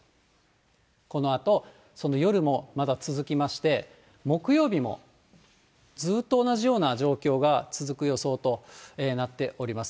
このあと、夜もまだ続きまして、木曜日もずっと同じような状況が続く予想となっております。